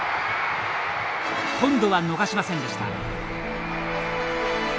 今度は逃しませんでした。